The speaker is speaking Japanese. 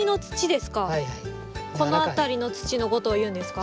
この辺りの土の事をいうんですか？